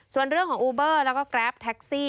ส่วนเรื่องของอูเบอร์แล้วก็แกรปแท็กซี่